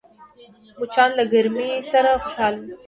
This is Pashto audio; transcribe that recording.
مچان له ګرمۍ سره خوشحال وي